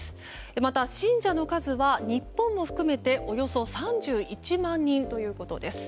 また信者の数は、日本を含めておよそ３１万人ということです。